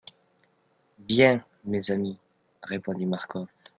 Bien, mes amis, répondit Marcof.